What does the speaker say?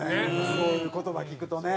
そういう言葉聞くとね。